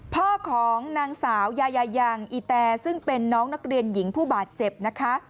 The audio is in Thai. พ่อของนางสาวยายายังอีแตซึ่งเป็นน้องนักเรียนหญิงผู้บาดเจ็บนะคะ